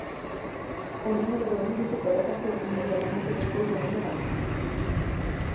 O número do índice colócase inmediatamente despois do nome da nota.